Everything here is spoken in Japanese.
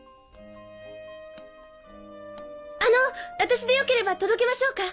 あの私でよければ届けましょうか？